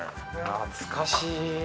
懐かしい。